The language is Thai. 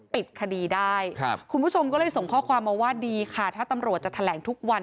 ปิดคดีได้คุณผู้ชมก็เลยส่งข้อความมาว่าดีค่ะถ้าตำรวจจะแถลงทุกวัน